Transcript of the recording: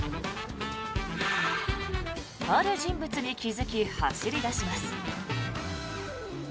ある人物に気付き走り出します。